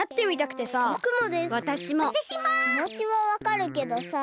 きもちはわかるけどさ。